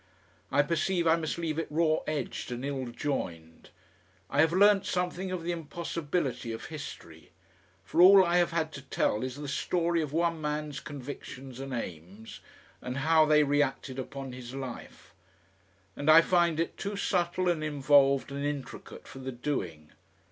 I perceive I must leave it raw edged and ill joined. I have learnt something of the impossibility of History. For all I have had to tell is the story of one man's convictions and aims and how they reacted upon his life; and I find it too subtle and involved and intricate for the doing.